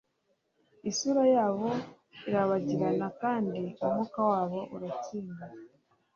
Isura yabo irabagirana kandi umwuka wabo uratsinda